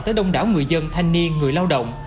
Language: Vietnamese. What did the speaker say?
tới đông đảo người dân thanh niên người lao động